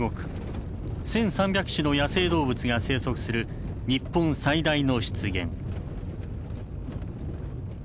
１，３００種の野生動物が生息する日本最大の湿原。